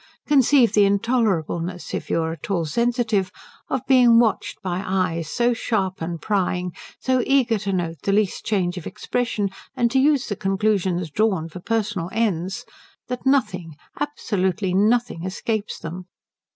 Conceive the intolerableness, if you are at all sensitive, of being watched by eyes so sharp and prying, so eager to note the least change of expression and to use the conclusions drawn for personal ends that nothing, absolutely nothing, escapes them.